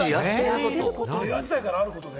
平安時代からあることで？